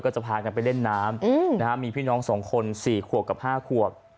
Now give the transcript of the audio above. จะพากันไปเล่นน้ำมีพี่น้อง๒คน๔ขวบกับ๕ขวบ